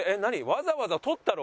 わざわざ撮ったの？